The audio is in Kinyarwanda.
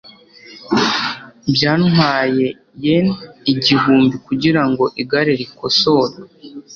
byantwaye yen igihumbi kugirango igare rikosorwe